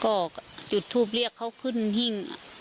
ก็จุดทูปเรียกเขาขึ้นหิ้ง